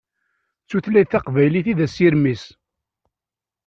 D tutlayt taqbaylit i d asirem-is.